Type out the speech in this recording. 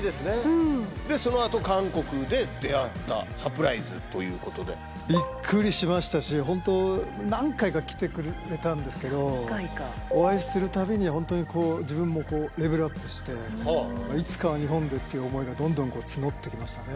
そのあと韓国で出会った、サプラびっくりしましたし、本当、何回か来てくれてたんですけど、お会いするたびに、本当にこう、自分もこう、レベルアップして、いつかは日本でっていう思いがどんどん募ってきましたね。